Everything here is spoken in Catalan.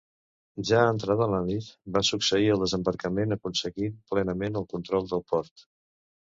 Ja entrada la nit, va succeir el desembarcament, aconseguint plenament el control del port.